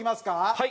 はい。